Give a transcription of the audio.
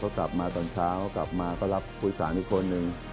เขากลับมาตอนเช้าก็รับคุยสารนิคคล